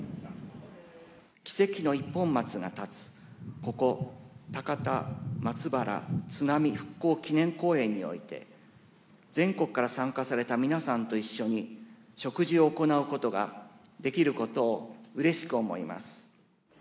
奇跡の一本松が立つここ、高田松原津波復興祈念公園において、全国から参加された皆さんと一緒に、植樹を行うことができることをうれしく思います。